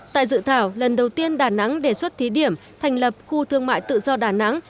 tại dự thảo lần đầu tiên đà nẵng đề xuất thí điểm thành lập khu thương mại tự do đà nẵng